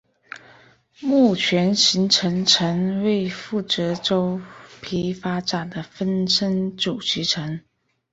木栓形成层为负责周皮发展的分生组织层。